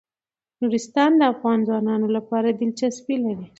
نورستان د افغان ځوانانو لپاره دلچسپي لري.